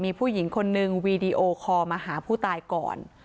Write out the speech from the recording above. มีผู้หญิงคนนึงวีดีโอคอลมาหาผู้ตายก่อน